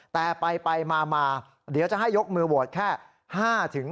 แต่ไปมาเดี๋ยวจะให้ยกมือโหวตแค่